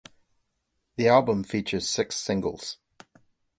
The album features six singles.